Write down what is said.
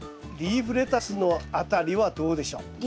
リーフレタスのあたりはどうでしょう？